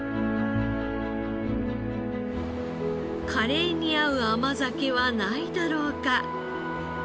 カレーに合う甘酒はないだろうか？